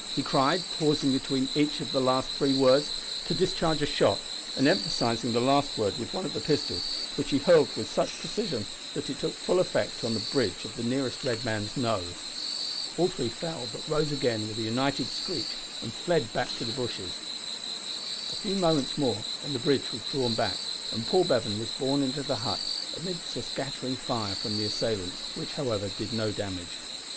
he cried, pausing between each of the last three words to discharge a shot and emphasising the last word with one of the pistols, which he hurled with such precision that it took full effect on the bridge of the nearest red man's nose. All three fell, but rose again with a united screech and fled back to the bushes. A few moments more and the bridge was drawn back, and Paul Bevan was borne into the hut, amid a scattering fire from the assailants, which, however, did no damage.